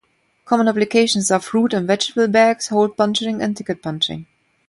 Common applications are fruit and vegetable bags, hole punching and ticket punching.